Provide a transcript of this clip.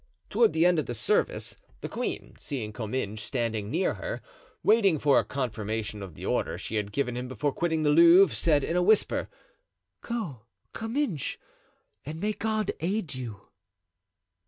Toward the end of the service, the queen, seeing Comminges standing near her, waiting for a confirmation of the order she had given him before quitting the Louvre, said in a whisper: "Go, Comminges, and may God aid you!"